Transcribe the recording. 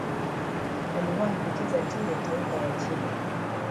Aliwahi kucheza timu ya taifa ya Chile.